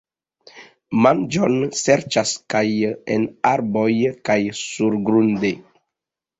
Manĝon serĉas kaj en arboj kaj surgrunde.